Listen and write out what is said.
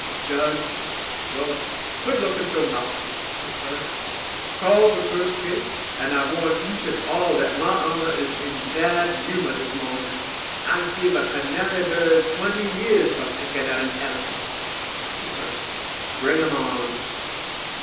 JUDGE Well, quit looking so moufy. (to CLERK) Call de first case. And I warn each and all dat my honor is in bad humor dis mawnin'. I'd give a canary bird twenty years for peckin' at a elephant. (to CLERK) Bring 'em on.